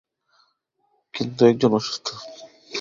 কিন্তু একজন অসুস্থ।